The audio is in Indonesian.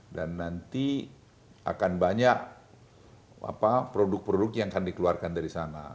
dan nanti akan banyak produk produk yang akan dikeluarkan dari sana